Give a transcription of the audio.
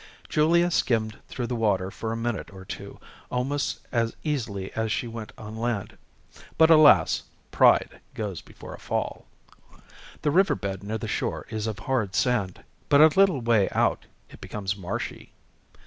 Julia skimmed through the water for a minute or two almost as easily as she went on land. But alas, pride goes before a fall. The river bed near the shore is of hard sand, but a little way out it becomes marshy.